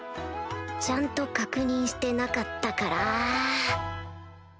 ちゃんと確認してなかったから